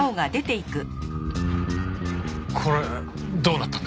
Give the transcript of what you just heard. これどうなったんだ？